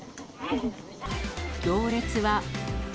行列は。